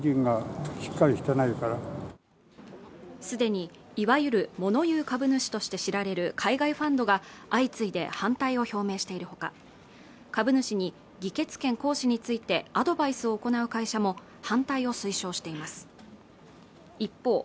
すでにいわゆる物言う株主として知られる海外ファンドが相次いで反対を表明しているほか株主に議決権行使についてアドバイスを行う会社も反対を推奨しています一方